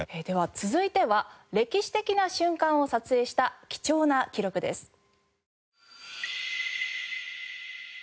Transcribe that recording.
では続いては歴史的な瞬間を撮影した貴重な記録です。